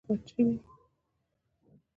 ګانده کې عالمانو اجتهاد کې پاتې کېږي.